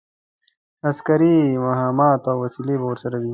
عسکري مهمات او وسلې به ورسره وي.